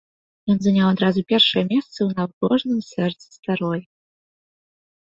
Ён заняў адразу першае месца ў набожным сэрцы старой.